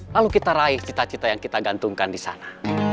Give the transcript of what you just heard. lalu kita raih cita cita yang kita gantungkan di sana